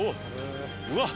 うわっ！